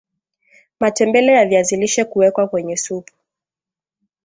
matembele ya viazi lishe kuwekwa kwenye supu